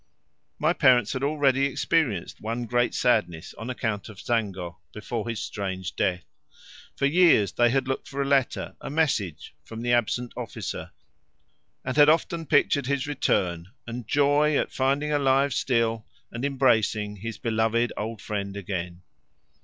My parents had already experienced one great sadness on account of Zango before his strange death. For years they had looked for a letter, a message, from the absent officer, and had often pictured his return and joy at finding alive still and embracing his beloved old friend again.